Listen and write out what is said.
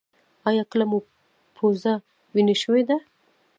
ایا کله مو پوزه وینې شوې ده؟